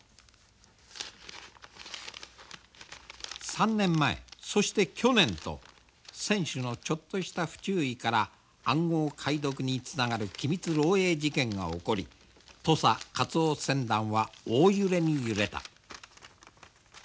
３年前そして去年と船主のちょっとした不注意から暗号解読につながる機密漏えい事件が起こり土佐カツオ船団は大揺れに揺れた。